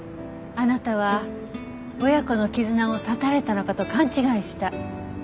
あなたは親子の絆を断たれたのかと勘違いした。